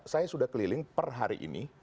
saya sudah keliling per hari ini